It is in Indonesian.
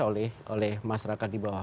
oleh masyarakat di bawah